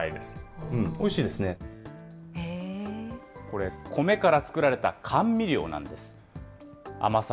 これ、コメから作られた甘味料なんです。